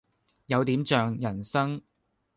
有點像人生